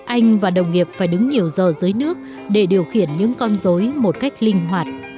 anh và đồng nghiệp phải đứng nhiều giờ dưới nước để điều khiển những con dối một cách linh hoạt